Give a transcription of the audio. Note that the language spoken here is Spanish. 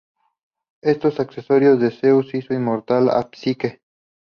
Estos accedieron y Zeus hizo inmortal a Psique.